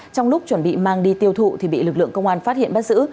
trong lúc chuẩn bị mang đi tiêu thụ thì bị lực lượng công an phát hiện bắt giữ